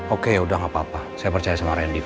oke udah gak apa apa saya percaya sama randy